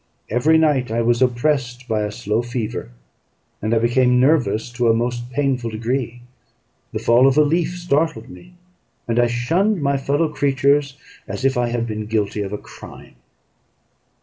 Every night I was oppressed by a slow fever, and I became nervous to a most painful degree; the fall of a leaf startled me, and I shunned my fellow creatures as if I had been guilty of a crime.